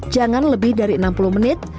jangan lebih dari enam puluh menit